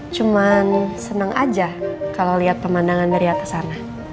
cuman seneng aja kalau liat pemandangan dari atas sana